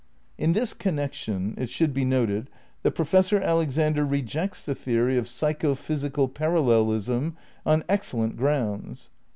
In this connection it should be noted that Professor Alexander rejects the theory of Psychophysical Paral lelism on excellent grounds.